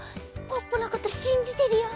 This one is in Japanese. ポッポのことしんじてるよ。